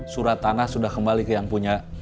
surat tanah sudah kembali ke yang punya